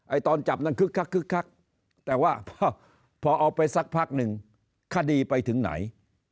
ไอ้ตอนจับนั่งคึกคักแต่ว่าพอเอาไปสักพักนึงคดีไปถึงไหน